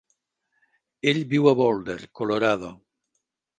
Ell viu a Boulder, Colorado.